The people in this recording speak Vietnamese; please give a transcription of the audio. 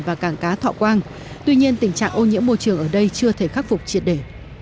và cảng cá thọ quang tuy nhiên tình trạng ô nhiễm môi trường ở đây chưa thể khắc phục triệt để